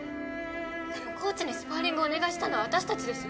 でもコーチにスパーリングをお願いしたのは私たちです。